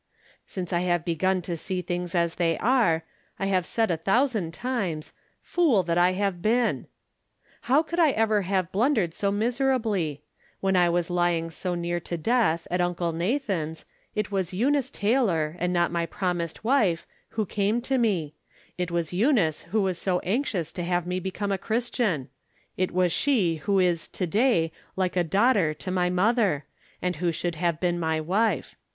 Since I have began to see things as they are, I have said a thousand times, " Fool that I have been !" How could I ever have blundered so miserably ? When I was lying so near to death, at Uncle Nathan's, it was Eunice Taylor, and not my promised wife, who came to me ; it was Eunice who was so anxious to have me become a Cliristian ; it was she who is to day like a daughter to my mother, and who should have been my wife.